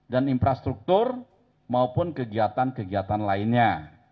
dan infrastruktur maupun kegiatan kegiatan lainnya